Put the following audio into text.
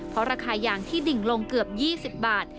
เพราะราคายางที่ดิ่งลงเกือบ๒๐บาท